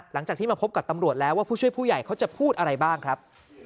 หลังจากที่มาพบกับตำรวจแล้วว่าผู้ช่วยผู้ใหญ่เขาจะพูดอะไรบ้างครับ